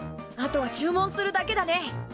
あとは注文するだけだね。